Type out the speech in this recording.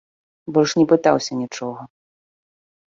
Больш не пытаўся нічога.